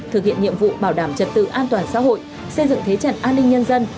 thực hiện nhiệm vụ bảo đảm trật tự an toàn xã hội xây dựng thế trận an ninh nhân dân